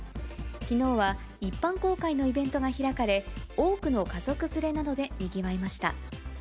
きのうは一般公開のイベントが開かれ、多くの家族連れなどでにぎ